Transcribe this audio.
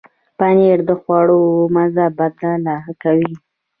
پنېر د خواړو مزه بدله کوي.